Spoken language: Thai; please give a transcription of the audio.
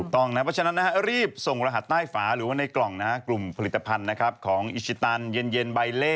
ต้องนะเพราะฉะนั้นรีบส่งรหัสใต้ฝาหรือว่าในกล่องกลุ่มผลิตภัณฑ์ของอิชิตันเย็นใบเล่